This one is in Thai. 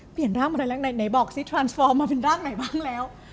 เปลี่ยนร่างมาหลายร่างไหนไหนบอกสิทรันสฟอร์มมาเป็นร่างไหนบ้างแล้ว